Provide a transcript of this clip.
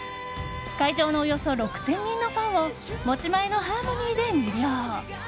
会場のおよそ６０００人のファンを持ち前のハーモニーで魅了。